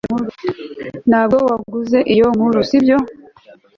ntabwo waguze iyo nkuru, sibyo